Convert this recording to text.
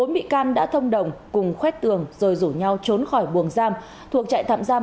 bốn bị can đã thông đồng cùng khuét tường rồi rủ nhau trốn khỏi buồng giam thuộc trại tạm giam